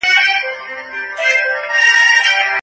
د پښتو ژبې شاعري زموږ د ټولنې د درد او خوند رښتیني انځور دی.